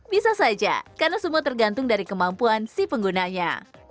bisa saja karena semua tergantung dari kemampuan si penggunanya